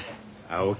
青木